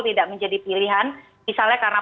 tidak menjadi pilihan misalnya karena